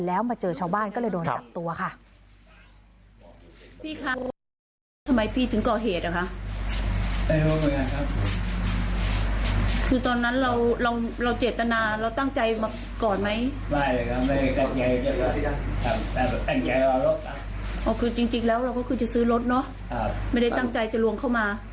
แล้วมาเจอชาวบ้านก็เลยโดนจับตัวค่ะ